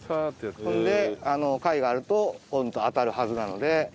それで貝があるとコンと当たるはずなので。